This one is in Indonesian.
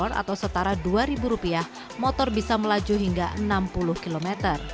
pengisian listrik setara tiga kilowatt hour atau setara dua ribu rupiah motor bisa melaju hingga enam puluh km